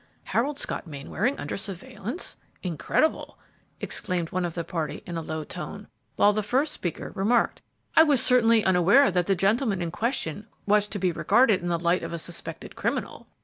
"Harold Scott Mainwaring under surveillance? Incredible!" exclaimed one of the party in a low tone, while the first speaker remarked, "I certainly was unaware that the gentleman in question was to be regarded in the light of a suspected criminal!"